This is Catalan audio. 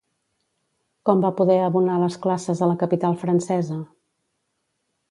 Com va poder abonar les classes a la capital francesa?